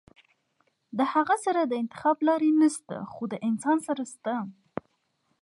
د هغه سره د انتخاب لارې نشته خو د انسان سره شته -